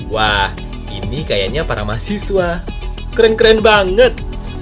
wah ini kayaknya para mahasiswa keren keren banget